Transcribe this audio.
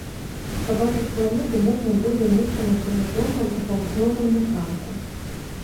Пабачыць планету можна будзе нізка над гарызонтам у паўднёвым напрамку.